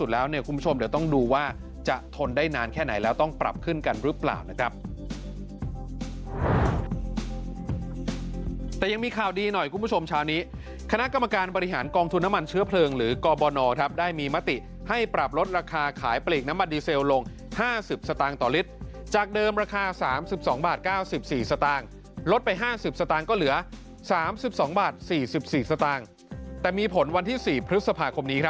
แล้วจะต้องปรับขึ้นกันหรือเปล่านะครับแต่ยังมีข่าวดีหน่อยคุณผู้ชมเช้านี้คณะกรรมการบริหารกองทุนน้ำมันเชื้อเพลิงหรือกอบอนอลครับได้มีมติให้ปรับลดราคาขายปลีกน้ำมันดีเซลลง๕๐สตางค์ต่อลิตรจากเดิมราคา๓๒บาท๙๔สตางค์ลดไป๕๐สตางค์ก็เหลือ๓๒บาท๔๔สตางค์แต่มีผลวันที่๔พฤ